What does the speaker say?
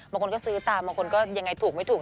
บางคนก็ซื้อตามบางคนก็ยังไงถูกไม่ถูก